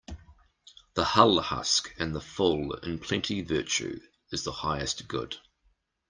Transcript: The hull husk and the full in plenty Virtue is the highest good.